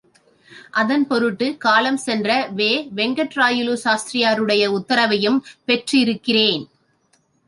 அதன் பொருட்டுக் காலஞ்சென்ற வே. வெங்கட்ராயலு சாஸ்திரி யாருடைய உத்தரவையும் பெற்றிருக்கிறேன்.